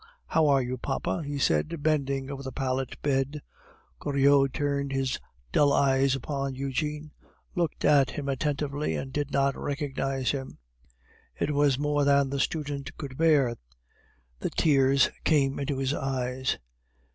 "How are you, papa?" he said, bending over the pallet bed. Goriot turned his dull eyes upon Eugene, looked at him attentively, and did not recognize him. It was more than the student could bear; the tears came into his eyes.